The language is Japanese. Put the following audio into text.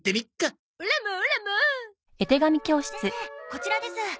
こちらです。